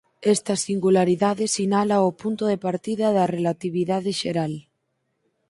Esta singularidade sinala o punto de partida da relatividade xeral.